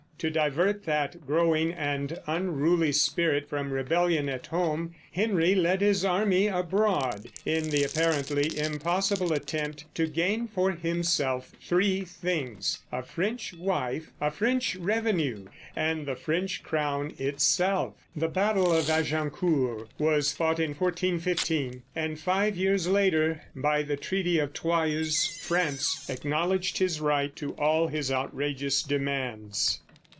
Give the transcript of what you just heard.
To divert that growing and unruly spirit from rebellion at home, Henry led his army abroad, in the apparently impossible attempt to gain for himself three things: a French wife, a French revenue, and the French crown itself. The battle of Agincourt was fought in 1415, and five years later, by the Treaty of Troyes, France acknowledged his right to all his outrageous demands.